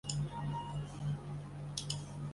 资本主义跟纳粹主义一样邪恶。